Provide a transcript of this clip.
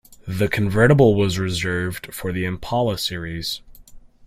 The convertible was reserved for the Impala series.